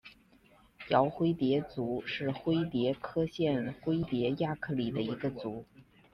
娆灰蝶族是灰蝶科线灰蝶亚科里的一个族。